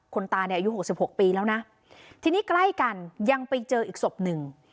คนตาอายุ๖๖ปีแล้วนะที่นี่ใกล้กันยังไปเจออีกศพหนึ่ง